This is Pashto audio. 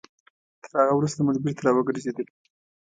تر هغه وروسته موږ بېرته راوګرځېدلو.